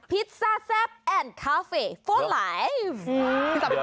พิซซ่าแซ่บแอนด์คาเฟ่โฟไลฟ์